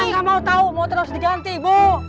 gak mau tau motor harus diganti bu